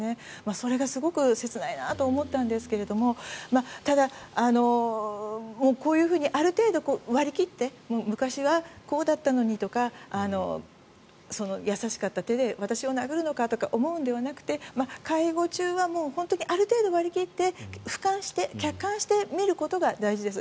それがすごく切ないなと思ったんですけどただ、こういうふうにある程度、割り切って昔はこうだったのにとか優しかった手で私を殴るのかと思うのではなくて介護中は本当にある程度、割り切って俯瞰して客観して見ることが大事です。